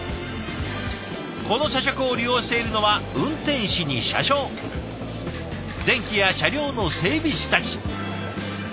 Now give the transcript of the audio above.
この社食を利用しているのは運転士に車掌電気や車両の整備士たち。